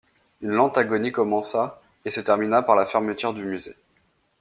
Une lente agonie commença et se termina par la fermeture du musée.